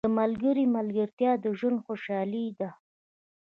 • د ملګري ملګرتیا د ژوند خوشحالي ده.